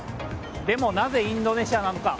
でもなぜインドネシアなのか。